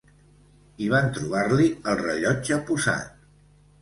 I van trobar-li el rellotge posat.